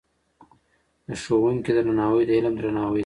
د ښوونکي درناوی د علم درناوی دی.